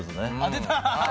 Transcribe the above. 出た。